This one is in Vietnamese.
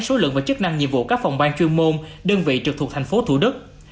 số lượng và chức năng nhiệm vụ các phòng ban chuyên môn đơn vị trực thuộc tp hcm